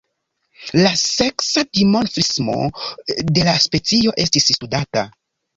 La seksa dimorfismo de la specio estis studata.